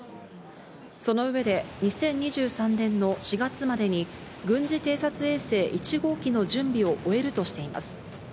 その上で、２０２３年の４月までに軍事偵察衛星１号機の準備を終えるとしています。